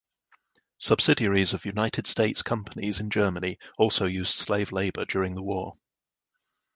Subsidiaries of United States companies in Germany also used slave labor during the war.